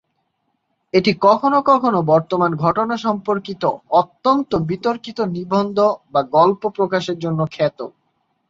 এটি কখনও কখনও বর্তমান ঘটনা সম্পর্কিত অত্যন্ত বিতর্কিত নিবন্ধ বা গল্প প্রকাশের জন্য খ্যাত।